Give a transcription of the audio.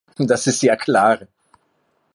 Das ist ja klar.